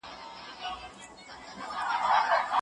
اجتماعي وېش د مطالعې په برخه کې اوسنيو خنډونو ته اړتیا لري.